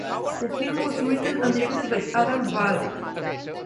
The film was written and directed by Adam Vardy.